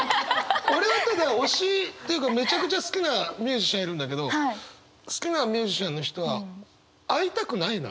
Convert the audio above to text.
俺はただ推しというかめちゃくちゃ好きなミュージシャンいるんだけど好きなミュージシャンの人はあ。